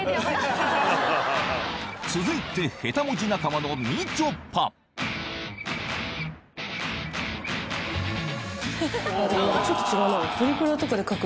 続いて下手文字仲間のみちょぱちょっと違うな。